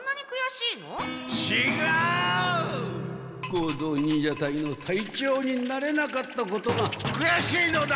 合同忍者隊の隊長になれなかったことがくやしいのだ！